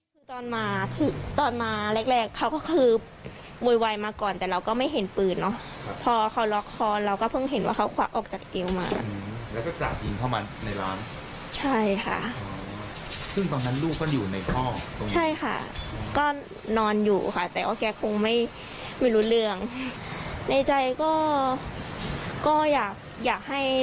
คือถ้าสมมุติมันโดนลูกเรากินจริงอ่ะมันก็เสียหายถึงชีวิตได้